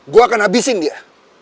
gua akan habisin dia